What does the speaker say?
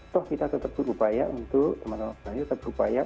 toh kita tetap berupaya untuk teman teman terbayar